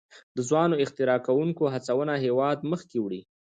د ځوانو اختراع کوونکو هڅونه هیواد مخکې وړي.